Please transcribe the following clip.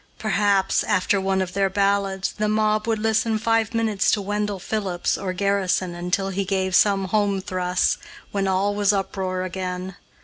Perhaps, after one of their ballads, the mob would listen five minutes to Wendell Phillips or Garrison until he gave them some home thrusts, when all was uproar again.